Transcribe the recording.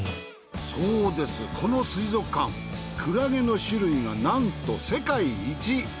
そうですこの水族館クラゲの種類がなんと世界一。